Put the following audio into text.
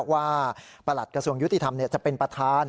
ประหลัดกระทรวงยุติธรรมจะเป็นประธาน